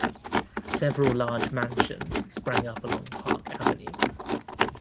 Several large mansions sprang up along Park Avenue.